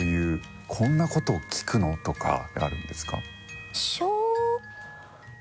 こんなこと聞くの？とかってあるんですか？